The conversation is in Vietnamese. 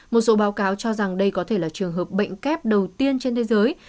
một số báo cáo cho rằng đây có thể là trường hợp bệnh kép đầu tiên trên thế giới